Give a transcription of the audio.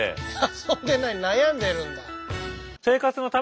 遊んでない悩んでるんだ。